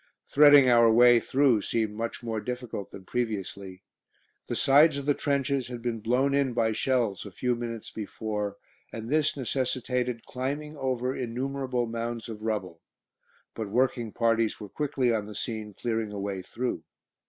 Threading our way through seemed much more difficult than previously. The sides of the trenches had been blown in by shells a few minutes before, and this necessitated climbing over innumerable mounds of rubble; but working parties were quickly on the scene clearing a way through.